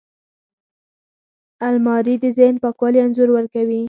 الماري د ذهن پاکوالي انځور ورکوي